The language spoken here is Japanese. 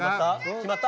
決まった？